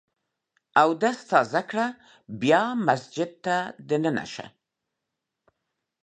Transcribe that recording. اودس تازه کړه ، بیا مسجد ته دننه سه!